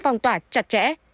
phòng tỏa chặt chẽ